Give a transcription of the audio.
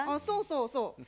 そうそうそう。